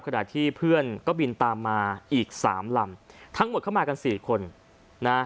ขณะที่เพื่อนก็บินตามมาอีกสามลำทั้งหมดเข้ามากันสี่คนนะ